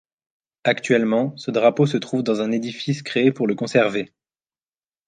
Actuellement, ce drapeau se trouve dans un édifice créé pour le conserver.